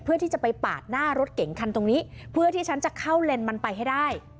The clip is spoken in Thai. เพื่อที่จะไปปาดหน้ารถเก๋งคันตรงนี้เพื่อที่ฉันจะเข้าเลนมันไปให้ได้